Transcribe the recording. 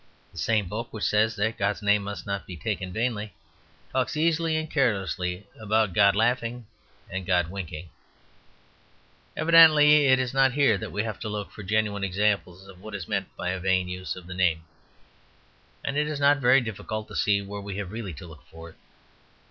The same book which says that God's name must not be taken vainly, talks easily and carelessly about God laughing and God winking. Evidently it is not here that we have to look for genuine examples of what is meant by a vain use of the name. And it is not very difficult to see where we have really to look for it.